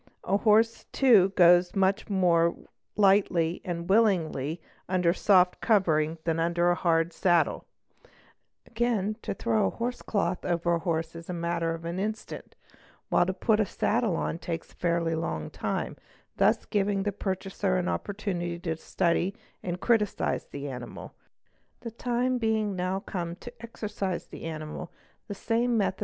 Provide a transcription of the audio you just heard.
A horse too goes much more lightly and willingly under a soft covering than under a hard saddle; again to throw a horse cloth over a horse is the matter of an instant, while to put on a saddle takes a fairly long time, thus giving the pur chaser an opportunity to study and criticise the animal. The time being now come to exercise the animal the same method!